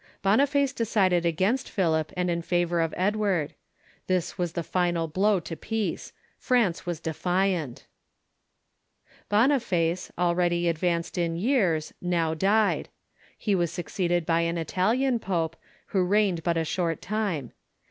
Boniface decided against Philip, and in favor of Edward. This was the final blow to peace. France Avas defiant. Boniface, already advanced in years, now died. He was succeeded by an Italian pope, who reigned but a short time.